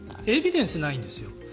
エビデンスがないんですよ。